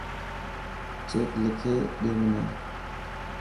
چيڪ لکي ڏي منا.